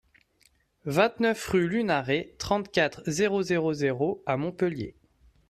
vingt-neuf rue Lunaret, trente-quatre, zéro zéro zéro à Montpellier